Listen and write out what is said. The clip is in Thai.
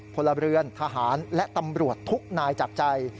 พลเรือนทหารและตำรวจทุกนายจากใจ